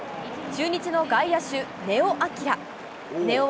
中日の外野手、根尾昂。